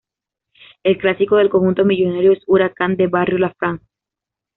El clásico del conjunto millonario es Huracán de Barrio La France.